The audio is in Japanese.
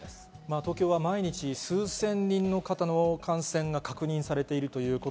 東京は毎日数千人の方の感染が確認されています。